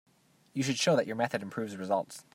You should show that your method improves results.